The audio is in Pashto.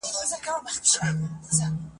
د مینې راز راځي